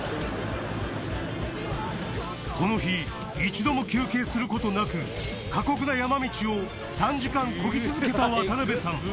この日１度も休憩する事なく過酷な山道を３時間漕ぎ続けた渡邊さん